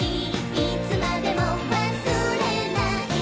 いつまでも忘れない」